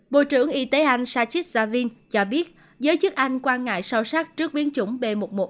bộ trưởng y tế anh sachit javid cho biết giới chức anh quan ngại sâu sắc trước biến chủng b một một năm trăm hai mươi chín